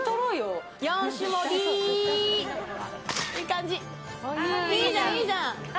いいじゃん、いいじゃん。